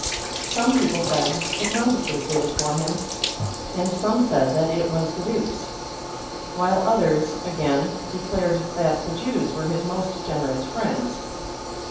Some people said the countesses did it for him, and some said that it was the dukes; while others, again, declared that the Jews were his most generous friends.